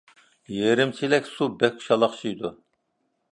يېرىم چېلەك سۇ بەك شالاقشىيدۇ.